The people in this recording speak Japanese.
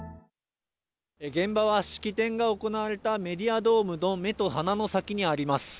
現場は式典が行われたメディアドームと目と鼻の先にあります。